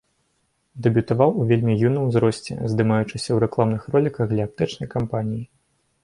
Дэбютаваў у вельмі юным узросце, здымаючыся ў рэкламных роліках для аптэчнай кампаніі.